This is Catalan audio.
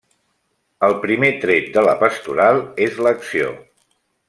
El primer tret de la pastoral és l'acció.